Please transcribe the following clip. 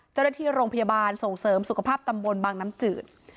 เจ้าหน้าที่โรงพยาบาลส่งเสริมสุขภาพตำบลบางน้ำจืด